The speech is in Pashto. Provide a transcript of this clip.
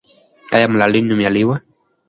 آیا ملالۍ نومیالۍ وه؟